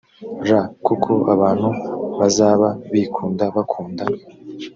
ra kuko abantu bazaba bikunda bakunda